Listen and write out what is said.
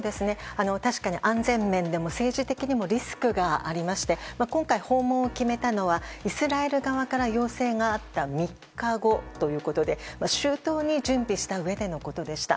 確かに安全面でも政治的にもリスクがありまして今回、訪問を決めたのはイスラエル側から要請があった３日後ということで周到に準備したうえでのことでした。